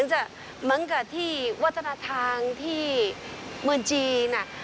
เหมือนกับที่วัฒนธรรมที่เมืองจีน